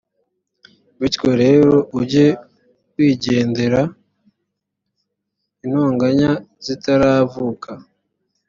bityo rero ujye wigendera intonganya zitaravuka